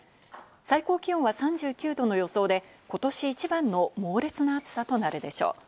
最高気温は３９度の予想で、ことし一番の猛烈な暑さとなるでしょう。